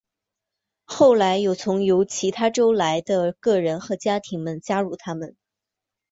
后来有从由其他州来的个人和家庭们加入他们。